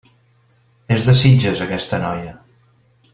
És de Sitges, aquesta noia.